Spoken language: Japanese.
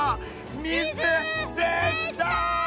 水できた！